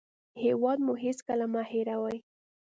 هېواد مو هېڅکله مه هېروئ